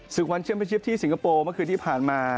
วันเชียมเป็นชิปที่สิงคโปร์เมื่อคืนที่ผ่านมา